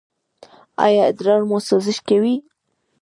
ایا ادرار مو سوزش کوي؟